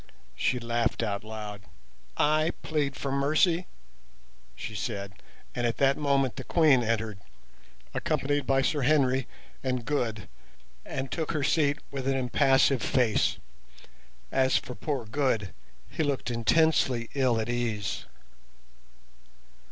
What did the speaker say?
She laughed out loud. "I plead for mercy!" she said and at that moment the Queen entered, accompanied by Sir Henry and Good, and took her seat with an impassive face. As for poor Good, he looked intensely ill at ease.